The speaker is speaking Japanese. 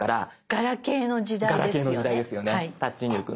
ガラケーの時代ですよねタッチ入力。